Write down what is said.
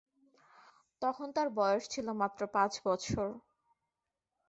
তখন তার বয়স ছিল মাত্র পাঁচ বছর।